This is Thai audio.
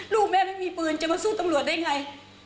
ลูกแม่ไม่มีปืนจะมาสู้ตำรวจได้ไง